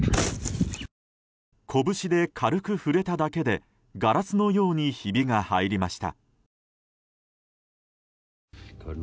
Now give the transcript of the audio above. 拳で軽く触れただけでガラスのようにひびが入りました。